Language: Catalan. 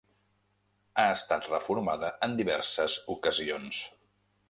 Ha estat reformada en diverses ocasions.